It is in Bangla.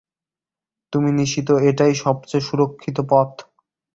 তুমি নিশিত এটাই সবচেয়ে সুরক্ষিত পথ?